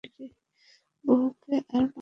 বউকে আর মারবো না।